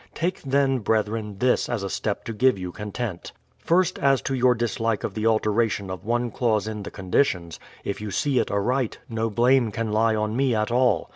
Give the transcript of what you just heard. Take then, brethren, this as a step to give you content. First, as to your dis like of the alteration of one clause in the conditions : if j ou see it aright, no blame can lie on me at all.